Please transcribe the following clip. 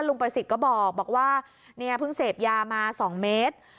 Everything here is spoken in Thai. ลุงประสิทธิ์ก็บอกว่าเพิ่งเสพยามา๒เมตร